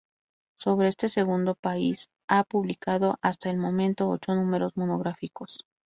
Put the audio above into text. Sobre este segundo país ha publicado hasta el momento ocho números monográficos.